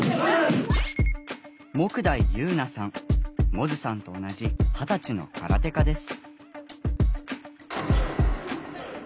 百舌さんと同じ二十歳の空手家です。